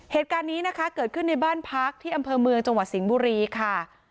เหตุการณ์นี้นะคะเกิดขึ้นในบ้านพักที่อำเภอเมืองจังหวัดสิงห์บุรีค่ะ